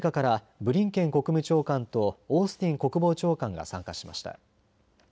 ブリンケン国務長官とオースティン国防長官が参加しました。